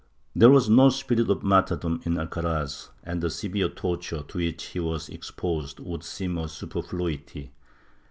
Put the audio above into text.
There was no spirit of martyrdom in Alcaraz, and the severe torture to which he was exposed would seem a superfluity.